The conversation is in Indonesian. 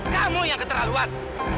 kamu yang keterlaluan